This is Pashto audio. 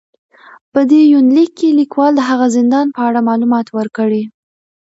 په دې يونليک کې ليکوال د هغه زندان په اړه معلومات ور کړي